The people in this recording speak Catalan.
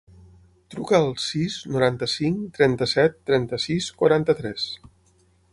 Truca al sis, noranta-cinc, trenta-set, trenta-sis, quaranta-tres.